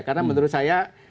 karena menurut saya